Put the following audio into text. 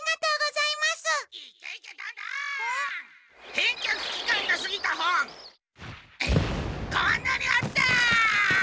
返却期間がすぎた本こんなにあった！